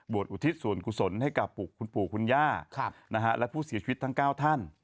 อุทิศส่วนกุศลให้กับคุณปู่คุณย่าและผู้เสียชีวิตทั้ง๙ท่าน